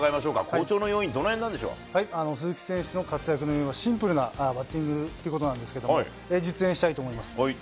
好調の要因、鈴木選手の活躍の要因はシンプルなバッティングということなんですけれども、実演したいと思います。